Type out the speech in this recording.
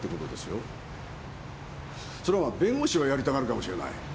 それはまあ弁護士はやりたがるかもしれない。